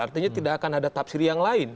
artinya tidak akan ada tafsir yang lain